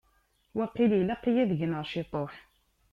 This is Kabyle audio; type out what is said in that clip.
Waqil ilaq-iyi ad gneɣ ciṭuḥ.